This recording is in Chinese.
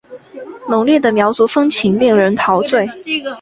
浓烈的苗族风情令人陶醉。